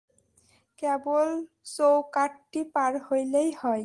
কেবল চৌকাঠটি পার হইলেই হয়।